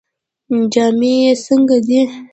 جامې یې څنګه دي؟